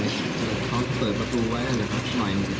เขาก็เกิดประตูไว้หน่อย